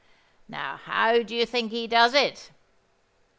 Now, how do you think he does it?